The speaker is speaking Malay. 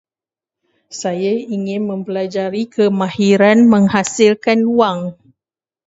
Saya ingin mempelajari kemahiran menghasilkan wang.